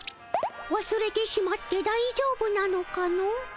わすれてしまってだいじょうぶなのかの？